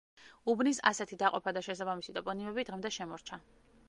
უბნის ასეთი დაყოფა და შესაბამისი ტოპონიმები დღემდე შემორჩა.